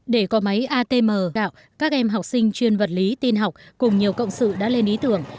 để có máy atm gạo các em học sinh chuyên vật lý tin học cùng nhiều cộng sự đã lên ý tưởng